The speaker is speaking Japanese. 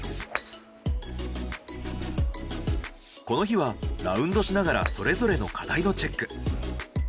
この日はラウンドしながらそれぞれの課題のチェック。